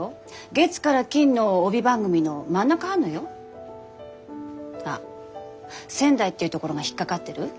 月から金の帯番組の真ん中張んのよ？あっ仙台っていうところが引っ掛かってる？